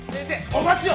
お待ちを！